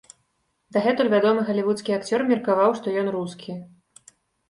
Дагэтуль вядомы галівудскі акцёр меркаваў, што ён рускі.